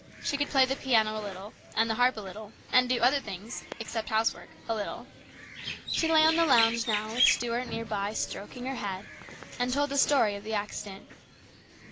She could play the piano a little, and the harp a little, and do other things, except housework, a little. She lay on the lounge now, with Stuart near by stroking her head, and told the story of the accident.